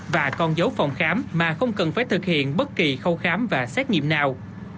và con dấu phòng khám mà không cần phải thực hiện bất kỳ khâu khám và xét nghiệm nào